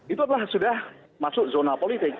itulah sudah masuk zona politik